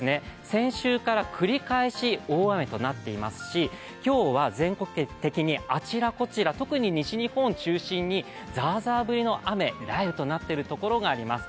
先週から繰り返し大雨となっていますし、今日は全国的にあちらこちら特に西日本を中心にザーザー降りの雨、雷雨となっている所があります。